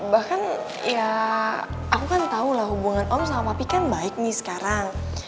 bahkan ya aku kan tau lah hubungan om sama papi kan baik nih sekarang